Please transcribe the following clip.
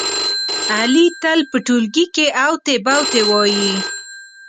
علي تل په ټولگي کې اوتې بوتې وایي.